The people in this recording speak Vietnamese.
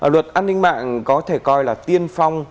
luật an ninh mạng có thể coi là tiên phong